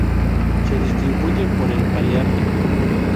Se distribuye por el paleártico.